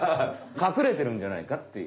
かくれてるんじゃないかっていう。